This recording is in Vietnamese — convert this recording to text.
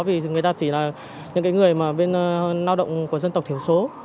vì người ta chỉ là những người bên lao động của dân tộc thiểu số